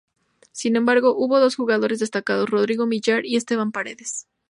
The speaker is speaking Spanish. Sin embargo, hubo dos jugadores destacados: Rodrigo Millar y Esteban Paredes.